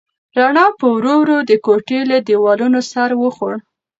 رڼا په ورو ورو د کوټې له دیوالونو سر وخوړ.